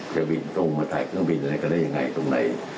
จะวิ่งตรงมาถ่ายเครื่องบินอาหารก็ได้อย่างไรว่างไหน